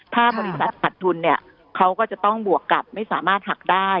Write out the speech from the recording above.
ถ้าบริษัทขัดทุนเนี่ยเขาก็จะต้องบวกกับไม่สามารถหักได้